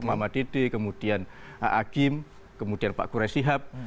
muhammad dede kemudian a'agim kemudian pak qureshihab